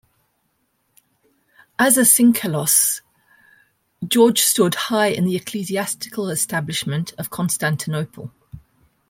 As a "synkellos", George stood high in the ecclesiastical establishment of Constantinople.